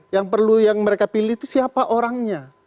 yang perlu yang mereka pilih itu siapa orangnya